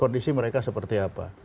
kondisi mereka seperti apa